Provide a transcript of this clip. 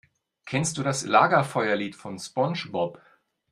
Kennst du das Lagerfeuerlied von SpongeBob?